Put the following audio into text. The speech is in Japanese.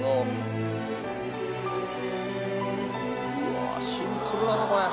うわーシンプルだなこれ。